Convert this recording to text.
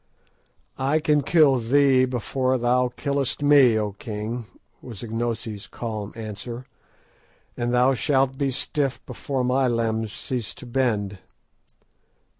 "I can kill thee before thou killest me, O king," was Ignosi's calm answer, "and thou shalt be stiff before my limbs cease to bend."